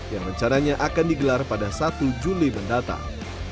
yang rencananya akan digelar pada satu juli mendatang